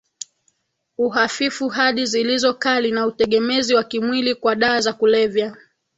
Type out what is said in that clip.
uhafifu hadi zilizo kali na utegemezi wa kimwili kwa dawa za kulevya